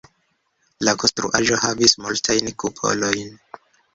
La konstruaĵo havis multajn kupolojn.